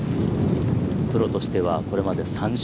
プロとしては、これまで３勝。